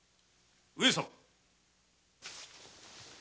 上様。